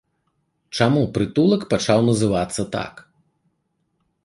Чаму прытулак пачаў называцца так?